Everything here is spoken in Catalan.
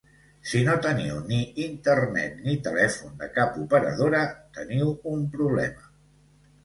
Si no teniu ni internet ni telèfon de cap operadora, teniu un problema.